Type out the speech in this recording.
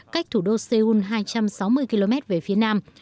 cách thủ đô seoul hai trăm sáu mươi km về phía nam